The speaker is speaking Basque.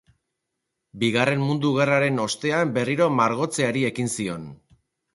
Bigarren Mundu Gerraren ostean berriro margotzeari ekin zion.